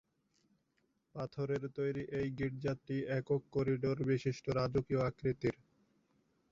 পাথরের তৈরি এই গির্জাটি একক করিডোর বিশিষ্ট রাজকীয় আকৃতির।